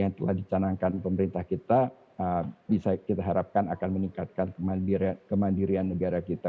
yang telah dicanangkan pemerintah kita bisa kita harapkan akan meningkatkan kemandirian negara kita